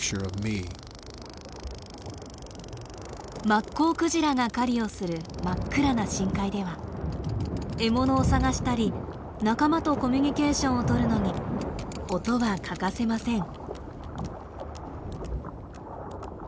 マッコウクジラが狩りをする真っ暗な深海では獲物を探したり仲間とコミュニケーションをとるのに音は欠かせません。